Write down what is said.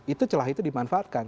itu celah itu dimanfaatkan